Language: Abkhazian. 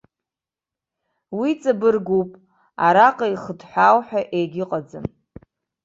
Уи ҵабыргуп, араҟа ихыҭҳәаау ҳәа егьыҟаӡам.